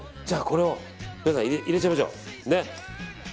じゃあ、これを入れちゃいましょう。